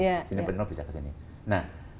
nah pembangunan dengan airport dan airport yang berdekatan